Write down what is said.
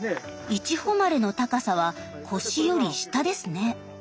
いちほまれの高さは腰より下ですね。